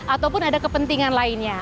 ataupun ada kepentingan lainnya